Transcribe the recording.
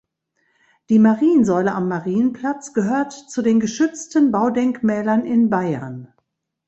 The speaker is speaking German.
Die Mariensäule am Marienplatz gehört zu den geschützten Baudenkmälern in Bayern.